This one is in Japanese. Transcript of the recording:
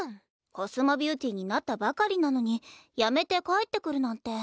コスモビューティーになったばかりなのに辞めて帰ってくるなんて。